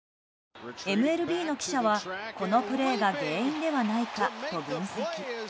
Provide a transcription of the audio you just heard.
ＭＬＢの記者は、このプレーが原因ではないかと分析。